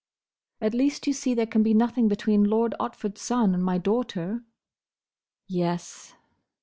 "At least you see there can be nothing between Lord Otford's son and my daughter?" "Yes."